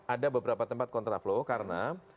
ada beberapa tempat contra flow karena